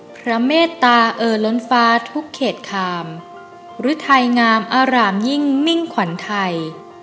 เมตตาเออล้นฟ้าทุกเขตคามหรือไทยงามอารามยิ่งมิ่งขวัญไทย